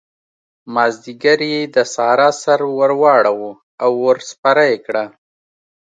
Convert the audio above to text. مازديګر يې د سارا سر ور واړاوو او ور سپره يې کړه.